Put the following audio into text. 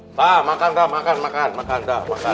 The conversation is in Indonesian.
nah makan dah makan makan makan dah makan